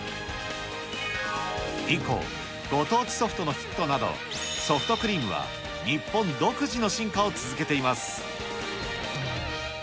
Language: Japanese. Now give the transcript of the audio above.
以降、ご当地ソフトのヒットなど、ソフトクリームは、日本独自の進化を続けています。